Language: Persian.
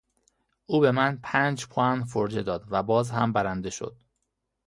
او به من پنج پوان فرجه داد و باز هم برنده شد!